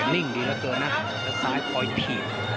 นิ่งดีเยอะเกินนะและซ้ายคอยถีด